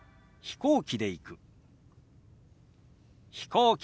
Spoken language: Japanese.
「飛行機で行く」。